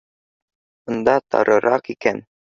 — Бында тарыраҡ икән